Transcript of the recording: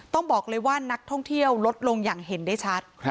ต้องบอกเลยว่านักท่องเที่ยวลดลงอย่างเห็นได้ชัด